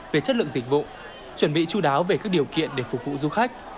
về chất lượng dịch vụ chuẩn bị chú đáo về các điều kiện để phục vụ du khách